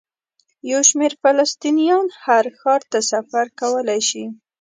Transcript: یو شمېر فلسطینیان هر ښار ته سفر کولی شي.